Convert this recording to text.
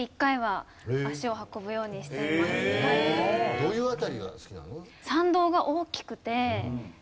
どういう辺りが好きなの？